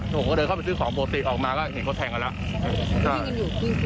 ผมก็เดินเข้าไปซื้อของปกติออกมาก็เห็นเขาแทงกันแล้วก็